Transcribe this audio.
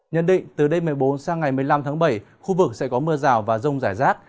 nhân định từ đêm một mươi bốn sang ngày một mươi năm tháng bảy khu vực sẽ có mưa rào và rông giải rát